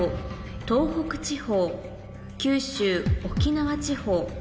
東北地方九州・沖縄地方